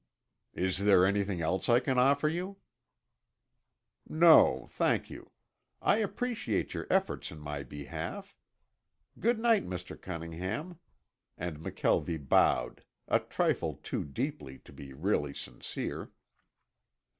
"Is there anything else I can offer you?" "No, thank you. I appreciate your efforts in my behalf. Good night, Mr. Cunningham," and McKelvie bowed, a trifle too deeply to be really sincere.